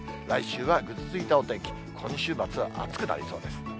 来週はぐずついたお天気、今週末は暑くなりそうです。